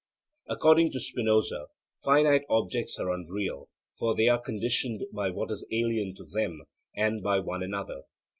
According to Spinoza finite objects are unreal, for they are conditioned by what is alien to them, and by one another.